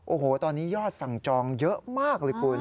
โอ้โหตอนนี้ยอดสั่งจองเยอะมากเลยคุณ